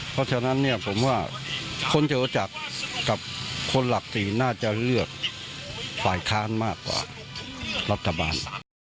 เพราะฉะนั้นเนี่ยผมว่าคนจะรู้จักกับคนหลัก๔น่าจะเลือกฝ่ายค้านมากกว่ารัฐบาล